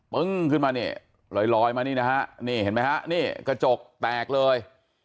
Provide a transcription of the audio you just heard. ึ้งขึ้นมานี่ลอยมานี่นะฮะนี่เห็นไหมฮะนี่กระจกแตกเลย